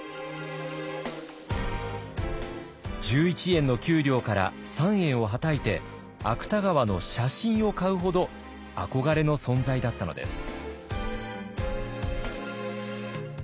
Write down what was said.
１１円の給料から３円をはたいて芥川の写真を買うほど憧れの存在だったのです。